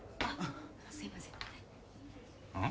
すいません。